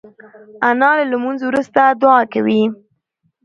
انا له لمونځ وروسته دعا کوي